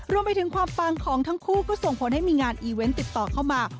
รวมไปถึงความปังของทั้งคู่ก็ส่งผลให้มีงานอีเวนต์ติดต่อเข้ามา